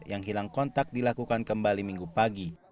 yang hilang kontak dilakukan kembali minggu pagi